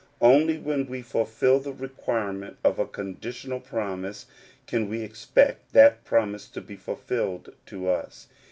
Only when we fulfil the requirement of a conditional promise can we expect that promise to be fulfilled to us.